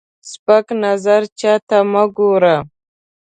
سپک نظر چاته مه ګوره